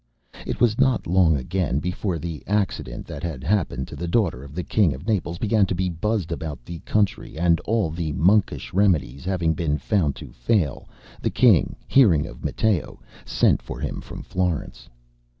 It was not long again before the accident that had happened to the daughter of the king of Naples began to be buzzed about the country, and all the monkish remedies having been found to fail, the king, hearing of Matteo, sent for him from Florence.